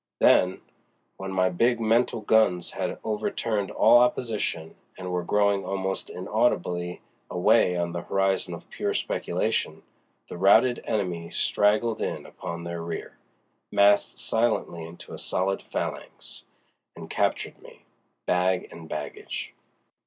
Then, when my big mental guns had overturned all opposition, and were growling almost inaudibly away on the horizon of pure speculation, the routed enemy straggled in upon their rear, massed silently into a solid phalanx, and captured me, bag and baggage.